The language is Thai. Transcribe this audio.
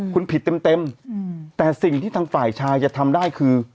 คุณผิดเต็มแต่สิ่งที่ทางฝ่ายชายจะทำได้คือ